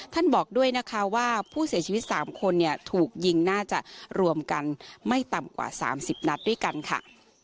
บอกด้วยนะคะว่าผู้เสียชีวิต๓คนเนี่ยถูกยิงน่าจะรวมกันไม่ต่ำกว่า๓๐นัดด้วยกันค่ะ